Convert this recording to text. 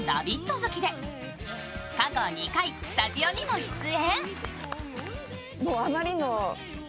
好きで過去２回、スタジオにも出演。